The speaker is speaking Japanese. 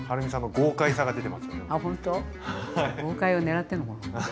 豪快をねらってるのかな。